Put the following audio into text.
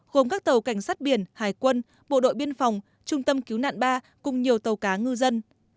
gồm các tàu cảnh sát biển hải quân bộ đội biên phòng trung tâm cứu nạn ba cùng nhiều tàu cá ngư dân